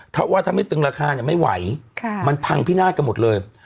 ถ้าว่าถ้าไม่ตึงราคาเนี่ยไม่ไหวมันพังพินาศกันหมดเลย